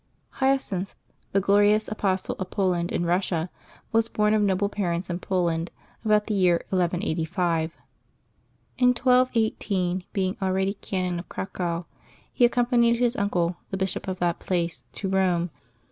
HYACINTH, the glorious apostle of Poland and Eussia, was born of noble parents in Poland, about the year 1185. In 1218, being already Canon of Cracow, he ac companied his uncle, the bishop of that place, to Rome.